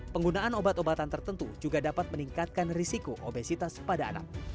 penggunaan obat obatan tertentu juga dapat meningkatkan risiko obesitas pada anak